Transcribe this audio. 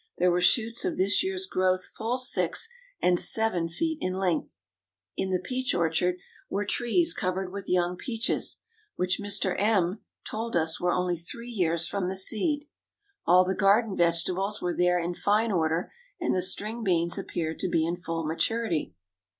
There were shoots of this year's growth full six and seven feet in length. In the peach orchard were trees covered with young peaches, which Mr. M told us were only three years from the seed. All the garden vegetables were there in fine order; and the string beans appeared to be in full maturity.